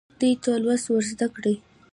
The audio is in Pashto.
دوی ته لوست ورزده کړئ.